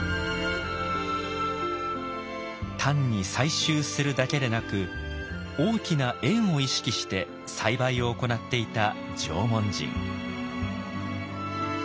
単に採集するだけでなく大きな円を意識して栽培を行っていた縄文人。